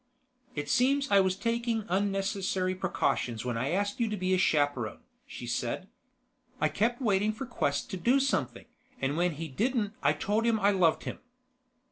"It seems I was taking unnecessary precautions when I asked you to be a chaperon," she said. "I kept waiting for Quest to do something, and when he didn't I told him I loved him."